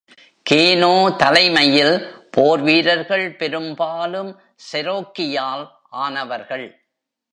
Canoe தலைமையில், போர்வீரர்கள் பெரும்பாலும் செரோக்கியால் ஆனவர்கள்.